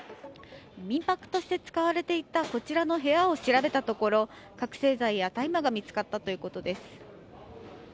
民泊として使われていたこちらの部屋を調べたところ覚醒剤や大麻が見つかったということです。